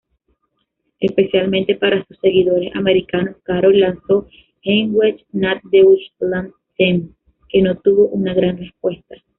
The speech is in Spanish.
Especialmente para sus seguidores americanos, Carol lanzó "Heimweh-nach-Deutschland-Themen", que no tuvo una gran respuesta.